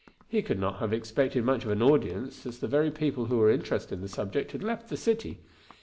He could not have expected much of an audience as the very people who were interested in the subject had left the city.